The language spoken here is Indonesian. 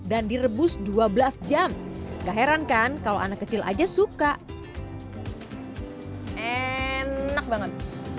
dan direbus dua belas jam gak heran kan kalau anak kecil aja suka enak banget